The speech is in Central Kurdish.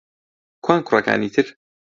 کوان کوڕەکانی تر؟